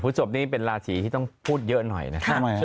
จบนี่เป็นราศีที่ต้องพูดเยอะหน่อยนะครับ